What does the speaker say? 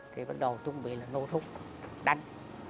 thì bắt đầu chuẩn bị là nổ súng đánh